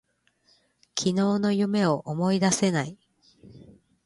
昨日の夢を思い出せない。